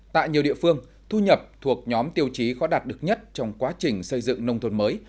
tại nhiều địa phương thu nhập thuộc nhóm tiêu chí khó đạt được nhất trong quá trình xây dựng nông thôn mới